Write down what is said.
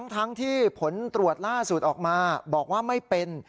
ทั้งที่ผลตรวจล่าสุดออกมาบอกว่าไม่เป็น